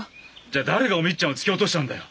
じゃ誰がお美津ちゃんを突き落としたんだよ！